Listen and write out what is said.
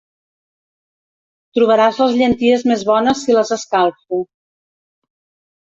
Trobaràs les llenties més bones si les escalfo.